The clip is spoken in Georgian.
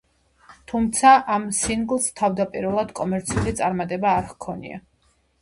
თუმცა, ამ სინგლს თავდაპირველად კომერციული წარმატება არ ჰქონია.